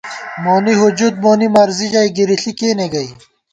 مونی ہُجُت مونی مرضی ژَئی گِرِݪی کېنےگئ